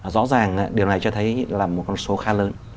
rõ ràng điều này cho thấy là một con số khá lớn